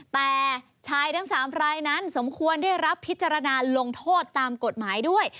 แต่ชายทั้ง๓รายนั้นสมควรได้รับพิจารณาลงโทษตามกฎหมายด้วย